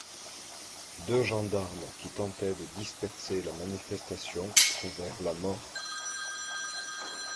Deux gendarmes qui tentaient de disperser la manifestation trouvèrent la mort.